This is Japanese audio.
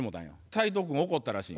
斉藤君怒ったらしい。